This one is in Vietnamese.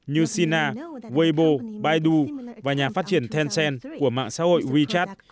như sina waybo baidu và nhà phát triển tencent của mạng xã hội wechat